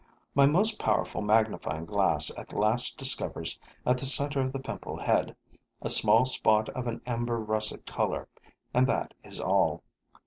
My most powerful magnifying glass at last discovers, at the center of the pimple head, a small spot of an amber russet color; and that is all.